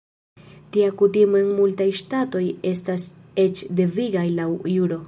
Tia kutimo en multaj ŝtatoj estas eĉ devigaj laŭ juro.